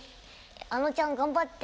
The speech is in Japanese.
「ａｎｏちゃん頑張って」